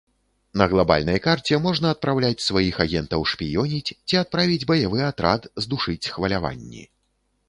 На глабальнай карце можна адпраўляць сваіх агентаў шпіёніць ці адправіць баявы атрад здушыць хваляванні.